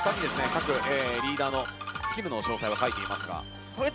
各リーダーのスキルの詳細は書いていますが。